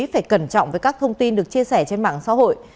phải cẩn trọng với các thông tin được chia sẻ trên mạng xã hội